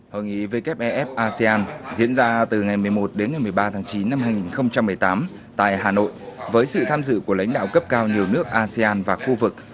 hội nghị wef asean diễn ra từ ngày một mươi một đến ngày một mươi ba tháng chín năm hai nghìn một mươi tám tại hà nội với sự tham dự của lãnh đạo cấp cao nhiều nước asean và khu vực